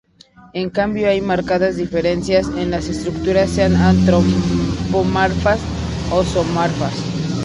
En cambio, hay marcadas diferencias en las esculturas sean antropomorfas o zoomorfas.